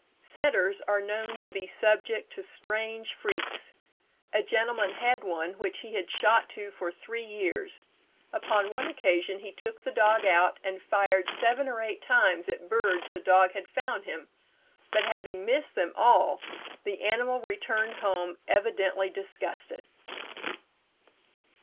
Setters are known to be subject to strange freaks. A gentleman had one which he had shot to for three years. Upon one occasion he took the dog out, and fired seven or eight times at birds the dog had found him; but having missed them all, the animal returned home, evidently disgusted.